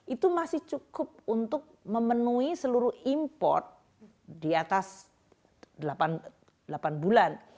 itu masih cukup untuk memenuhi seluruh import di atas delapan bulan